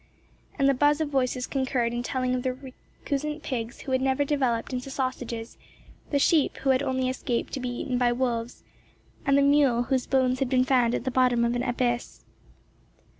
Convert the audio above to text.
And the buzz of voices concurred in telling of the recusant pigs who had never developed into sausages, the sheep who had only escaped to be eaten by wolves, the mule whose bones had been found at the bottom of an abyss.